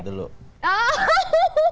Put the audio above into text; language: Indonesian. kita lihat dulu